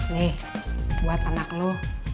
nih buat anak lo